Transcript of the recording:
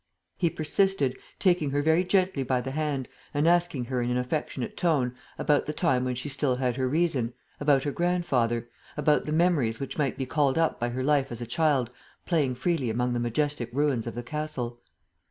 He persisted, taking her very gently by the hand and asking her in an affectionate tone about the time when she still had her reason, about her grandfather, about the memories which might be called up by her life as a child playing freely among the majestic ruins of the castle.